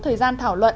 thời gian thảo luận